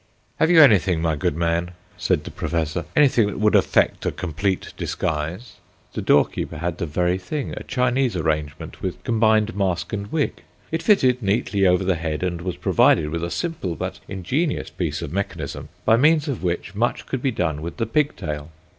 "Have you anything, my good man," said the professor, "anything that would effect a complete disguise?" The doorkeeper had the very thing—a Chinese arrangement, with combined mask and wig. It fitted neatly over the head, and was provided with a simple but ingenious piece of mechanism by means of which much could be done with the pigtail.